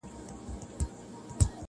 درزهار وو د توپکو د توپونو -